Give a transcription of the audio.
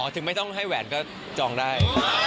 ถึงไม่ต้องให้แหวนก็จองได้